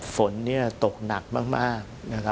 ฝนนี่ตกหนักมาก